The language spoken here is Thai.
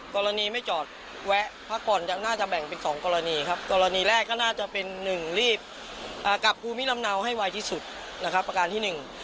กรณีไม่จอดแวะพักผ่อนยังน่าจะแบ่งเป็นสองกรณีครับกรณีแรกก็น่าจะเป็นหนึ่งรีบกลับภูมิลำเนาให้ไวที่สุดนะครับประการที่หนึ่ง